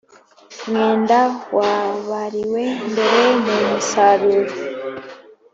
mwenda wabariwe mbere mu musaruro